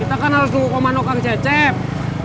kita kan harus tunggu komando kak jacep